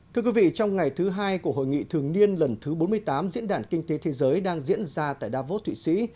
thưa quý vị trong ngày thứ hai của hội nghị thường niên lần thứ bốn mươi tám diễn đàn kinh tế thế giới đang diễn ra tại davos thụy sĩ